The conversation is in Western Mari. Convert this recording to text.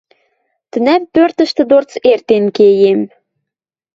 Тӹнӓм пӧртӹштӹ дорц эртен кеем.